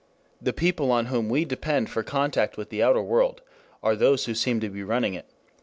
The people on whom we depend for contact with the outer world are those who seem to be running it.